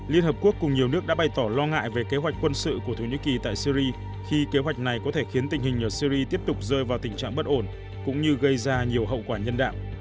liên hợp quốc cùng nhiều nước đã bày tỏ lo ngại về kế hoạch quân sự của thổ nhĩ kỳ tại syri khi kế hoạch này có thể khiến tình hình ở syri tiếp tục rơi vào tình trạng bất ổn cũng như gây ra nhiều hậu quả nhân đạo